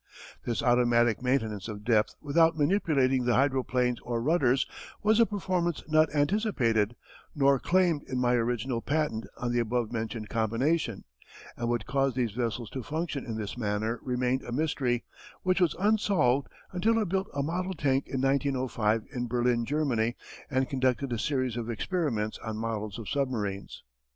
This automatic maintenance of depth without manipulating the hydroplanes or rudders was a performance not anticipated, nor claimed in my original patent on the above mentioned combination, and what caused these vessels to function in this manner remained a mystery, which was unsolved until I built a model tank in 1905 in Berlin, Germany, and conducted a series of experiments on models of submarines.